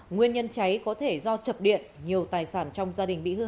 nguyên nhân cháy có thể do chập điện nhiều tài sản trong gia đình bị hư hại